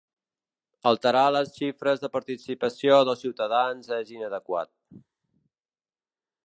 Alterar les xifres de participació dels ciutadans és inadequat.